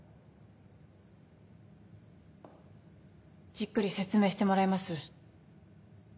じっくり説明してもらえます？